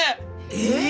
えっ！